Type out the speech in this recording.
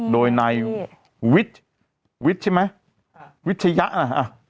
โดยในวิทย์วิทย์ใช่ไหมอ่าวิทยะอ่ะอ่ะ